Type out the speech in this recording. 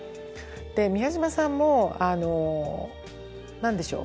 宮島さんも何でしょう